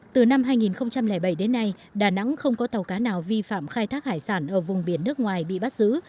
từ năm hai nghìn bảy đến nay đà nẵng không có tàu cá nào vi phạm khai thác hải sản ở vùng biển nước ngoài bị bắt giữ